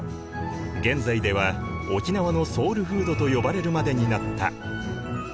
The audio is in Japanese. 現在では沖縄のソウルフードと呼ばれるまでになった。